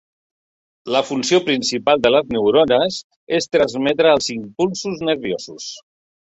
La funció principal de les neurones és transmetre els impulsos nerviosos.